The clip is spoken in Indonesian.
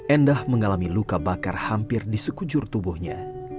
endah mengalami luka bakar hampir di sekujur tubuhnya